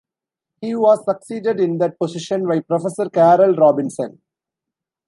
He was succeeded in that position by Professor Carol Robinson.